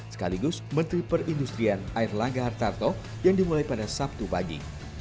sekaligus menteri perindustrian air langga hartarto yang dimulai pada sabtu pagi